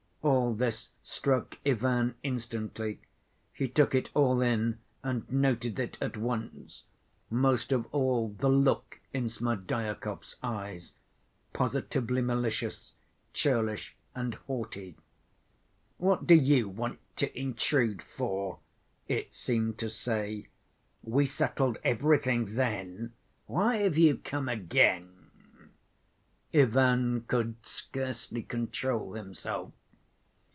All this struck Ivan instantly; he took it all in and noted it at once—most of all the look in Smerdyakov's eyes, positively malicious, churlish and haughty. "What do you want to intrude for?" it seemed to say; "we settled everything then; why have you come again?" Ivan could scarcely control himself.